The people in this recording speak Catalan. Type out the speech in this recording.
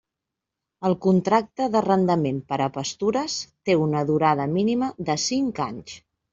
El contracte d'arrendament per a pastures té una durada mínima de cinc anys.